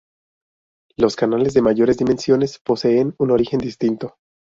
Los canales de mayores dimensiones poseen un origen distinto.